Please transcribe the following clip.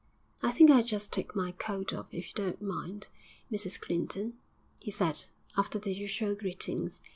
'I think I'll just take my coat off, if you don't mind, Mrs Clinton,' he said, after the usual greetings.